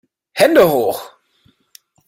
Hände hoch!